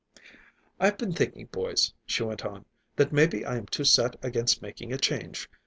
"I've been thinking, boys," she went on, "that maybe I am too set against making a change.